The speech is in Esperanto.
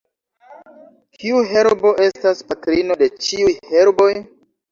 Kiu herbo estas patrino de ĉiuj herboj?